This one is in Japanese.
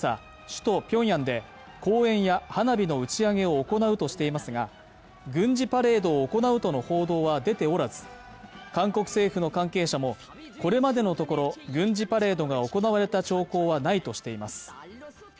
首都ピョンヤンで公演や花火の打ち上げを行うとしていますが軍事パレードを行うとの報道は出ておらず韓国政府の関係者もこれまでのところ軍事パレードが行われた兆候はないとしています